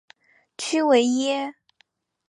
屈维耶。